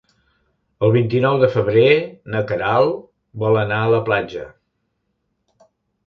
El vint-i-nou de febrer na Queralt vol anar a la platja.